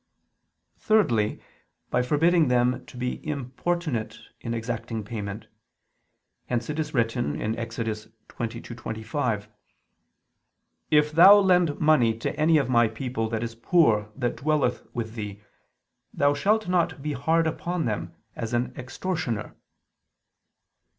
Thirdly, by forbidding them to be importunate in exacting payment. Hence it is written (Ex. 22:25): "If thou lend money to any of my people that is poor that dwelleth with thee, thou shalt not be hard upon them as an extortioner."